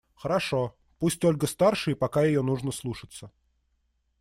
Хорошо! Пусть Ольга старше и пока ее нужно слушаться.